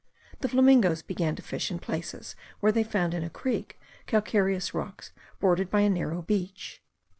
The flamingoes began to fish in places where they found in a creek calcareous rocks bordered by a narrow beach.